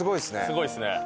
すごいですね。